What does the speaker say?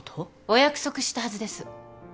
お約束したはずです。